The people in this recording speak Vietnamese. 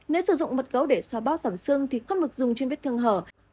nếu sử dụng mật gấu để xoa báo sẵn xương thì không được dùng trên viết thương hở